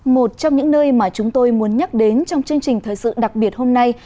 một trong những nơi mà chúng tôi muốn nhắc đến trong chương trình thời sự đặc biệt hôm nay